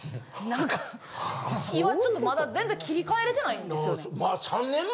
なんか今ちょっとまだ全然切り替えれてないんですよね。